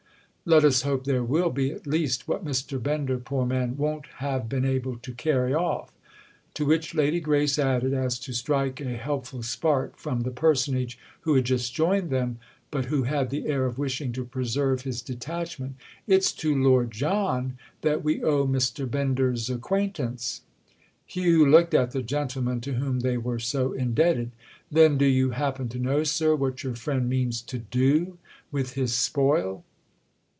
"Let us hope there will be at least what Mr. Bender, poor man, won't have been able to carry off." To which Lady Grace added, as to strike a helpful spark from the personage who had just joined them, but who had the air of wishing to preserve his detachment: "It's to Lord John that we owe Mr. Bender's acquaintance." Hugh looked at the gentleman to whom they were so indebted. "Then do you happen to know, sir, what your friend means to do with his spoil?"